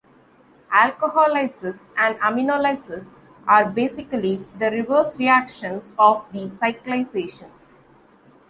Alcoholysis and aminolysis are basically the reverse reactions of the cyclizations.